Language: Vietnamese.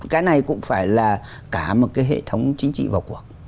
cái này cũng phải là cả một cái hệ thống chính trị vào cuộc